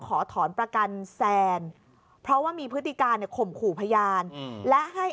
ขอถอนประกันแซนเพราะว่ามีพฤติการเนี่ยข่มขู่พยานและให้